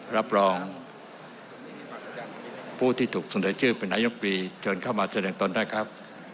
รับรองผู้ที่ถูกเสนอชื่อเป็นนายกปีเชิญเข้ามาแสดงตนได้ครับ